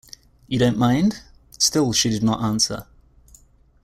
“You don’t mind?” Still she did not answer.